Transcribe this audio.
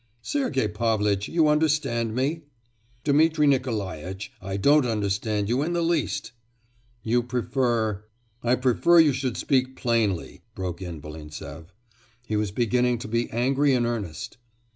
'Sergei Pavlitch, you understand me?' 'Dmitri Nikolaitch, I don't understand you in the least.' 'You prefer ' 'I prefer you should speak plainly!' broke in Volintsev. He was beginning to be angry in earnest.